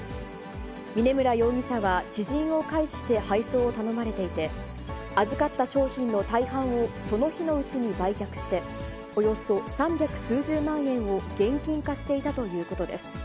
峯村容疑者は知人を介して配送を頼まれていて、預かった商品の大半を、その日のうちに売却して、およそ三百数十万円を現金化していたということです。